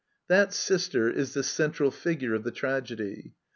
Thati istgr is the central fi gure of the tragedy